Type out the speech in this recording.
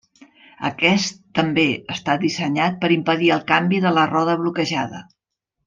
Aquest, també, està dissenyat per impedir el canvi de la roda bloquejada.